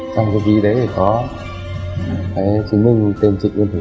trong cái ví đấy thì có chứng minh tên chị nguyễn thủy